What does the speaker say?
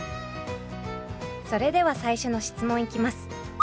それでは最初の質問いきます！